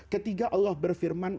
ketiga allah berfirman